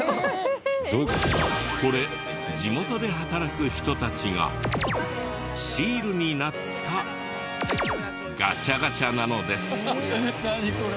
これ地元で働く人たちがシールになったガチャガチャなのです。